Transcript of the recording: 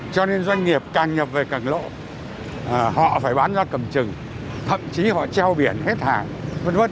cho nên doanh nghiệp càng nhập về càng lộ họ phải bán ra cầm trừng thậm chí họ treo biển hết hàng v v